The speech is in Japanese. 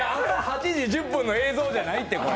朝８時１０分の映像じゃないって。